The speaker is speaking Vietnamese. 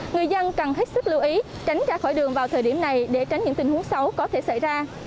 người dân cần hết sức lưu ý tránh ra khỏi đường vào thời điểm này để tránh những tình huống xấu có thể xảy ra